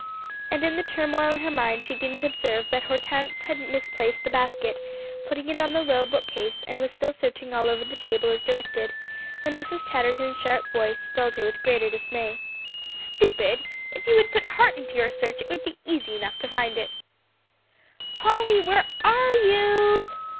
And in the turmoil in her mind, she didn't observe that Hortense had misplaced the basket, putting it on the low bookcase, and was still searching all over the table as directed, when Mrs. Chatterton's sharp voice filled her with greater dismay. "Stupid! if you would put heart into your search, it would be easy enough to find it." "Polly, where are you!"